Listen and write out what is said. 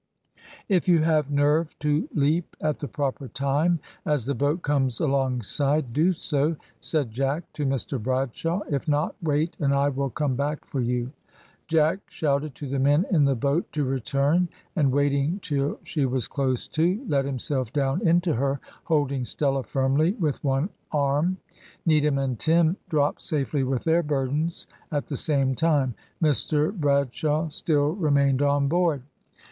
"If you have nerve to leap at the proper time as the boat comes alongside, do so," said Jack to Mr Bradshaw. "If not, wait and I will come back for you." Jack shouted to the men in the boat to return, and waiting till she was close to, let himself down into her, holding Stella firmly with one arm. Needham and Tim dropped safely with their burdens at the same time. Mr Bradshaw still remained on board.